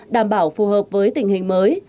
đảm bảo phù hợp với tình hình mới